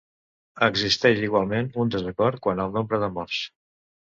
Existeix igualment un desacord quant al nombre de morts.